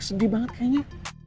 sedih banget kayaknya